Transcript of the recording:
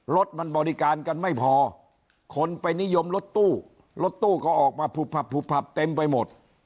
รถมันบริการกันไม่พอคนไปนิยมรถตู้รถตู้ก็ออกมาผูผับเต็มไปหมด